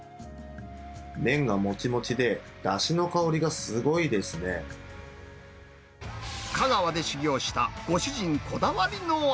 麺がもちもちで、だしの香り香川で修業したご主人こだわりの味。